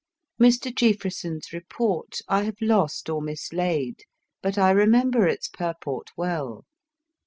Mr. Jeaffreson s report I have lost or mislaid, but I remember its purport well.